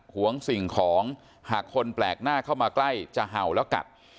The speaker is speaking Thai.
หวงสิ่งของหากคนแปลกหน้าเข้ามาใกล้จะเห่าแล้วกัด